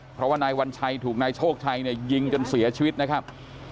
เพราะว่านายวัญชัยถูกนายโชคชัยเนี่ยยิงจนเสียชีวิตนะครับ